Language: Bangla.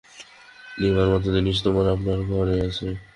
নেবার মতো জিনিস তোমার আপনার ঘরেই আছে।